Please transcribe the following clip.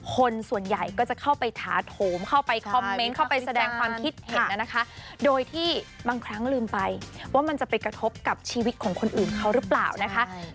คนส่วนใหญ่ก็จะเข้าไปถาโถมเข้าไปคอมเมนต์เข้าไปแสดงความคิดเห็นนะคะโดยที่บางครั้งลืมไปว่ามันจะไปกระทบกับชีวิตของคนอื่นเขาหรือเปล่านะคะ